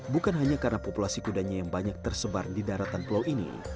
bukan hanya karena populasi kudanya yang banyak tersebar di daratan pulau ini